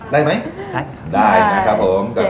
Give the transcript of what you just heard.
ได้ไหมได้ค่ะได้นะครับผม